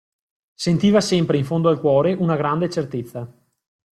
Sentiva sempre in fondo al cuore una grande certezza.